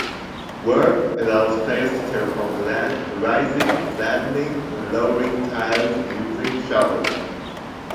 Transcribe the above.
"Wurm" allows players to terraform the land, raising, flattening, and lowering tiles using shovels.